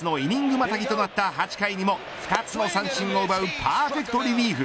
またぎとなった８回にも２つの三振を奪うパーフェクトリリーフ。